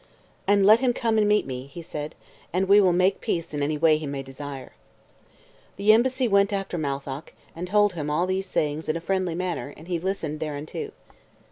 And let him come and meet me," said he, "and we will make peace in any way he may desire." The embassy went after Matholch, and told him all these sayings in a friendly manner; and he listened thereunto.